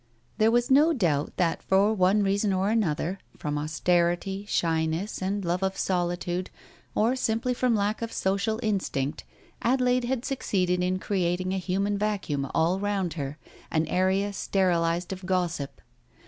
There was no doubt that for one reason or another, from austerity, shyness and love of solitude, or simply from lack of social instinct, Adelaide had succeeded in creating a human vacuum all round her, an area steril ized of gossip.